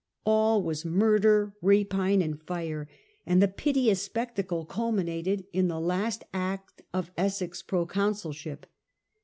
All was murder, rapine, and fire, and the piteous spectacle culminated in the last act of Essex's proconsulship.